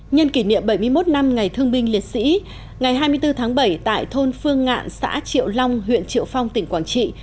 nhân kỷ niệm bảy mươi một năm ngày thương binh liệt sĩ ngày hai mươi bốn tháng bảy tại thôn phương ngạn xã triệu long huyện triệu phong tỉnh quảng trị